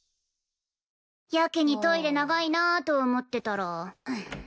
やけにトイレ長いなと思ってたら。